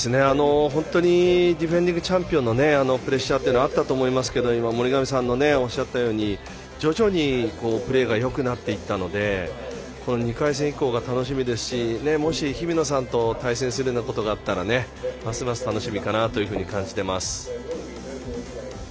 本当にディフェンディングチャンピオンのプレッシャーはあったと思いますけども森上さんのおっしゃったように徐々にプレーがよくなっていったので２回戦以降が楽しみですしもし、日比野さんと対戦するようなことがあったらますます楽しみかなと感じています。